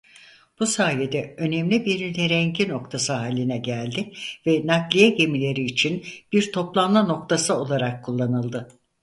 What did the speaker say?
Bu sayede önemli bir nirengi noktası haline geldi ve nakliye gemileri için bir toplanma noktası olarak kullanıldı.